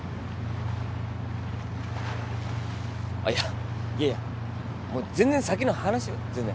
あっいやいやいやもう全然先の話よ全然。